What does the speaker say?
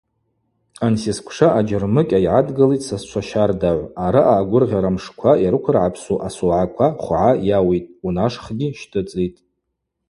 Ансисквша аджьармыкӏьа йгӏадгылитӏ сасчва щардагӏв: араъа агвыргъьарамшква йрыквыргӏапсу асогӏаква хвгӏа йауитӏ, унашхгьи щтӏыцӏитӏ.